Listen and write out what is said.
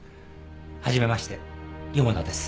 初めまして四方田です。